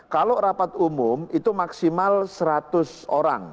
kalau rapat umum itu maksimal seratus orang